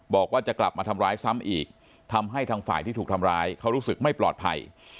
บอกว่าจะกลับมาทำร้ายซ้ำอีกทำให้ทางฝ่ายที่ถูกทำร้ายเขารู้สึกไม่ปลอดภัย